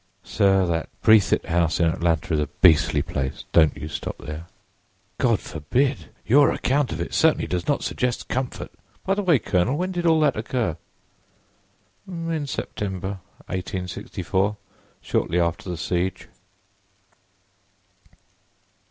"Sir, that Breathitt House, in Atlanta, is a beastly place! Don't you stop there." "God forbid! Your account of it certainly does not suggest comfort. By the way, Colonel, when did all that occur?" "In September, 1864—shortly after the siege."